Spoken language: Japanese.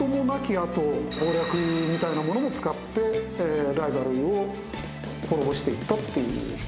あと謀略みたいなものも使ってライバルを滅ぼしていったっていう人ですよね。